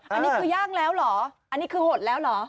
อันนี้คือย่างแล้วเหรออันนี้คือหดแล้วเหรอ